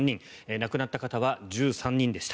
亡くなった方は１３人でした。